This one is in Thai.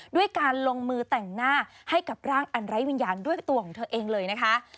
ด้วยการลงมือแต่งหน้าให้กับร่างอันไร้วิญญาณด้วยตัวของเธอเองเลยนะคะ